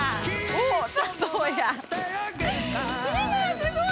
すごい！